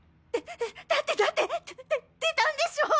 だだってだって出たんでしょ！？